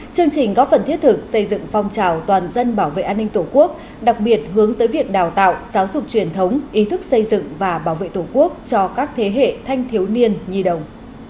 chương trình góp phần thiết thực xây dựng phong trào toàn dân bảo vệ an ninh tổ quốc đặc biệt hướng tới việc đào tạo giáo dục truyền thống ý thức xây dựng và bảo vệ tổ quốc cho các thế hệ thanh thiếu niên nhi đồng